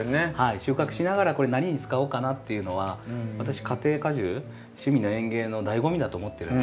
収穫しながら「これ何に使おうかな」っていうのは私家庭果樹趣味の園芸の醍醐味だと思ってるので。